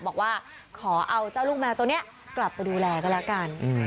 บอกว่าขอเอาเจ้าลูกแมวตัวนี้กลับไปดูแลก็แล้วกัน